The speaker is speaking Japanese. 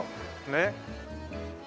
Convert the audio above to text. ねっ。